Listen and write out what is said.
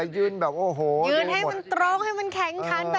ยืนให้มันตรงให้มันแข็งขัน